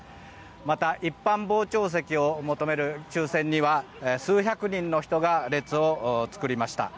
また一般傍聴席を求める抽選には数百人の人が列を作りました。